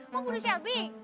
mau bunuh shelby